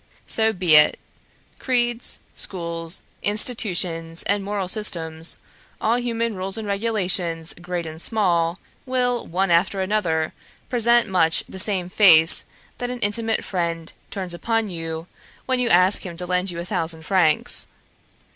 So be it. Creeds, schools, institutions, and moral systems, all human rules and regulations, great and small, will, one after another, present much the same face that an intimate friend turns upon you when you ask him to lend you a thousand francs.